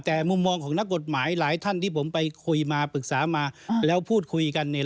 แต่มุมมองของนักกฎหมายหลายท่านที่ผมไปคุยมาปรึกษามาแล้วพูดคุยกันเนี่ย